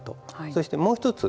そして、もう一つ。